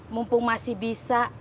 mumpung masih bisa